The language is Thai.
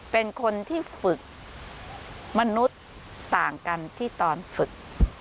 เป็นคนที่ฝึกมนุษย์ต่างกันที่ตอนฝึก